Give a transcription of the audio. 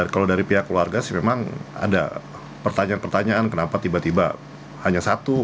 kalau dari pihak keluarga sih memang ada pertanyaan pertanyaan kenapa tiba tiba hanya satu